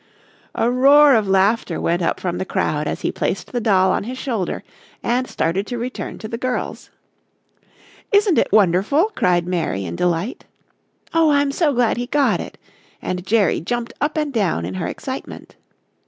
A roar of laughter went up from the crowd as he placed the doll on his shoulder and started to return to the girls. "Isn't it wonderful," cried Mary in delight. "Oh, I'm so glad he got it," and Jerry jumped up and down in her excitement.